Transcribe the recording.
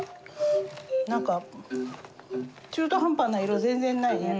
何か中途半端な色全然ないね。